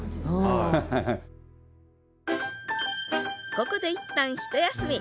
ここで一旦ひと休み。